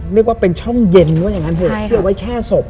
เรียกว่าเป็นช่องเย็นว่าอย่างนั้นเถอะที่เอาไว้แช่ศพ